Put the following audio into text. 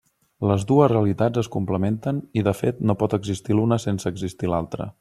Les dues realitats es complementen i de fet no pot existir l'una sense existir l'altra.